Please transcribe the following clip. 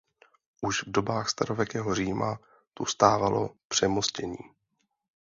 Už v dobách starověkého Říma tu stávalo přemostění.